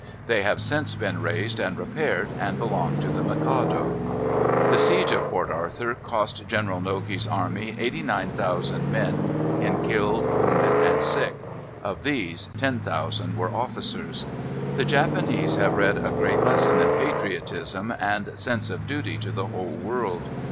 They have since been raised and repaired, and belong to the Mikado. The siege of Port Arthur cost General Nogi's army 89,000 men in killed, wounded, and sick; of these 10,000 were officers. The Japanese have read a great lesson in patriotism and sense of duty to the whole world.